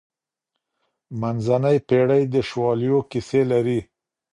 منځنۍ پېړۍ د شواليو کيسې لري.